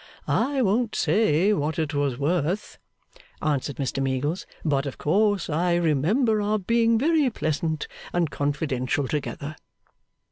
'I won't say what it was worth,' answered Mr Meagles: 'but of course I remember our being very pleasant and confidential together.